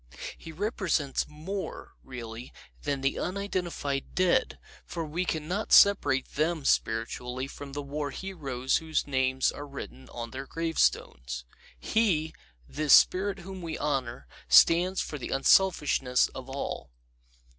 He represents more, really, than the unidentified dead, for we can not separate them spiritually from the war heroes whose names are written on their gravestones. HeŌĆöthis spirit whom we honor ŌĆöstands for the unselfishness of all.